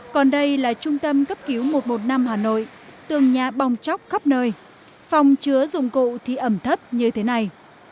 còn đây là trung tâm cấp cứu một trăm một mươi năm hà nội tường nhà bong chóc khắp nơi phòng chứa dụng cụ thì ẩm thấp như thế này